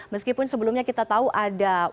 meskipun sebelumnya kita tahu ada nama yang berbeda